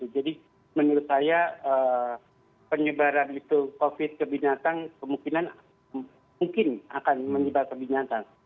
jadi menurut saya penyebaran covid ke binatang mungkin akan menyebar ke binatang